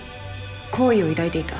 好意を抱いていた？